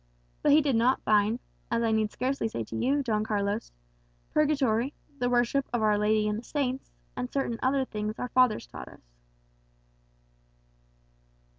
But he did not find, as I need scarcely say to you, Don Carlos, purgatory, the worship of Our Lady and the saints, and certain other things our fathers taught us."